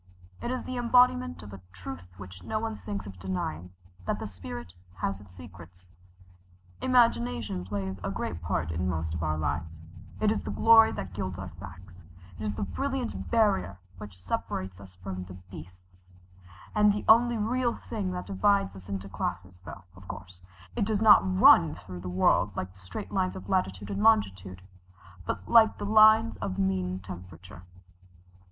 It is the embodiment of a truth which no one thinks of denying that the spirit has its secrets. Imagination plays a great part in most of our lives it is the glory that gilds our facts it is the brilliant barrier which separates us from the beasts, and the only real thing that divides us into classes, though, of course, it does not run through the world like straight lines of latitude and longitude, but like the lines of mean temperature."